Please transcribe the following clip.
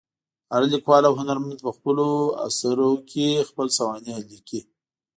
هر لیکوال او هنرمند په خپلو اثرو کې خپله سوانح لیکي.